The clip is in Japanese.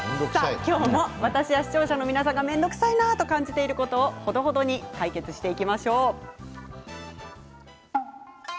今日も私や視聴者の皆さんが面倒くさいなと感じていることほどほどに解決していきましょう。